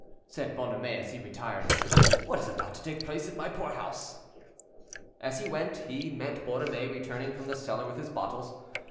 said Bonhomet, as he retired, "what is about to take place in my poor house?" As he went, he met Borromée returning from the cellar with his bottles.